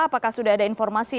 apakah sudah ada informasi